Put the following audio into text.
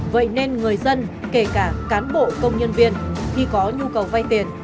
vậy nên người dân kể cả cán bộ công nhân viên khi có nhu cầu vay tiền